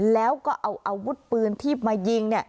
แล้วก็เอาอาวุธปืนที่มายิง